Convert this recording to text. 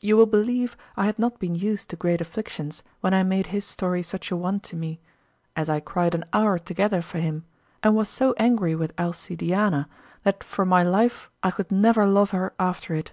You will believe I had not been used to great afflictions when I made his story such a one to me, as I cried an hour together for him, and was so angry with Alcidiana that for my life I could never love her after it.